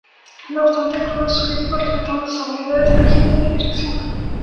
No obstante, incluso sus críticos respetaban sus habilidades en ingeniería y dirección.